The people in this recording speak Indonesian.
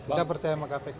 kita percaya sama kpk